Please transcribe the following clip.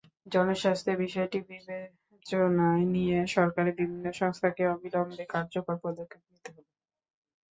জনস্বাস্থ্যের বিষয়টি বিবেচনায় নিয়ে সরকারের বিভিন্ন সংস্থাকে অবিলম্বে কার্যকর পদক্ষেপ নিতে হবে।